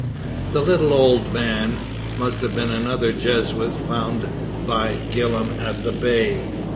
The 'little ould man' must have been another Jesuit found by Gillam at the Bay.